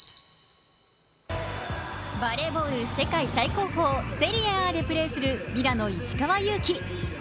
バレーボール世界最高峰、セリエＡでプレーするミラノ・石川祐希。